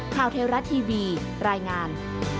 ข่าวเทวรัตน์ทีวีรายงาน